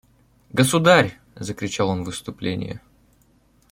«Государь! – закричал он в исступлении.